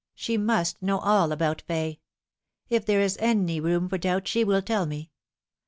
She must know all about Fay. If there is any room for doubt she will tell me.